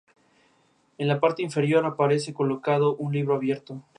En la parte inferior aparece colocado un libro abierto.